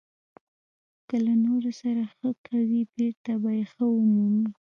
• که له نورو سره ښه کوې، بېرته به یې ښه ومومې.